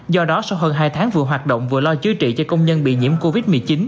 do đó sau hơn hai tháng vừa hoạt động vừa lo chữa trị cho công nhân bị nhiễm covid một mươi chín